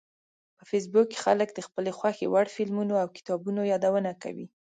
په فېسبوک کې خلک د خپلو خوښې وړ فلمونو او کتابونو یادونه کوي